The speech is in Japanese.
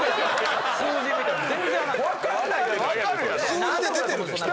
数字で出てるでしょ。